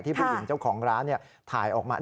ผู้หญิงเจ้าของร้านถ่ายออกมา